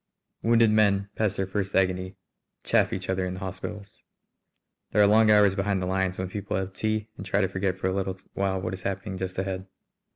Wounded men, past their first agony, chaff each other in the hospitals. There are long hours behind the lines when people have tea and try to forget for a little while what is happening just ahead.